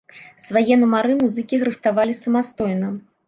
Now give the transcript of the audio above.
Свае нумары музыкі рыхтавалі самастойна.